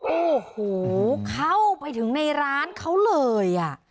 โอ้โหเข้าไปถึงในร้านเขาเลย